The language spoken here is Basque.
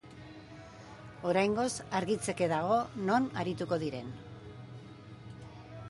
Oraingoz, argitzeke dago non arituko diren.